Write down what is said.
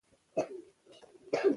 فقره د لیکني بنسټیز واحد دئ.